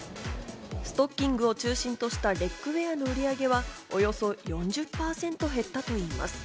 ストッキングを中心としたレッグウエアの売り上げはおよそ４０％減ったといいます。